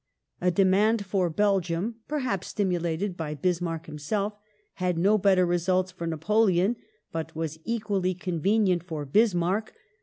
A de mand for Belgium — perhaps stimulated by Bismarck himself — had no better results for Napoleon but was equally convenient for Bis marck.